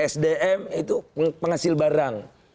sdm itu penghasil barang